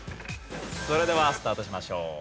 それではスタートしましょう。